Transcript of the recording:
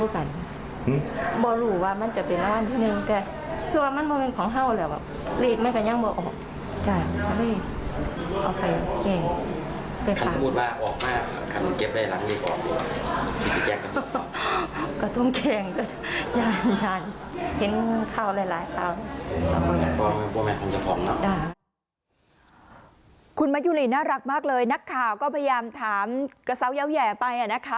คุณมะยุรีน่ารักมากเลยนักข่าวก็พยายามถามกระเซายาวแห่ไปนะคะ